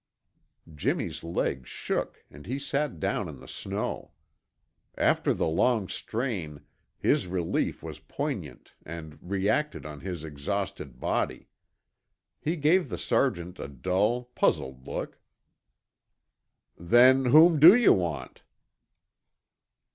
Jimmy's legs shook and he sat down in the snow. After the long strain, his relief was poignant and reacted on his exhausted body. He gave the sergeant a dull, puzzled look. "Then whom do you want?"